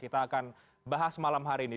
kita akan bahas malam hari ini